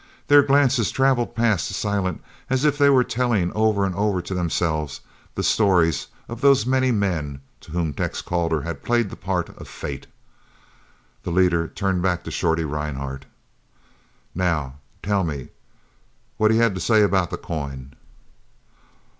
Their glances travelled past Silent as if they were telling over and over to themselves the stories of those many men to whom Tex Calder had played the part of Fate. The leader turned back to Shorty Rhinehart. "Now tell me what he had to say about the coin."